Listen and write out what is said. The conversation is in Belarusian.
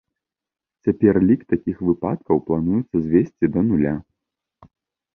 Цяпер лік такіх выпадкаў плануецца звесці да нуля.